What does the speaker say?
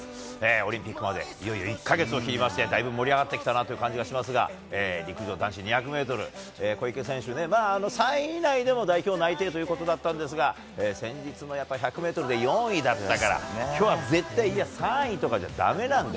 オリンピックまでいよいよ１か月を切りましてだいぶ盛り上がってきたなという感じがしますが陸上男子２００ｍ小池選手３位以内でも代表内定ということだったんですが先日の１００ｍで４位だったから今日は絶対３位とかじゃだめなんだ。